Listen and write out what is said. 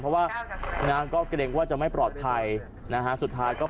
เพราะว่านางก็เกร็งว่าจะไม่ปลอดภัย